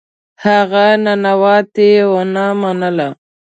هغه ننواتې ونه منله.